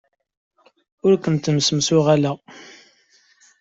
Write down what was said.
Ur kent-ssemsuɣaleɣ.